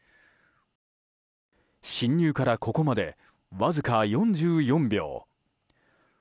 侵入からここまでわずか４４秒。